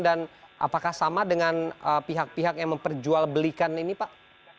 dan apakah sama dengan pihak pihak yang memperjualbelikan ini pak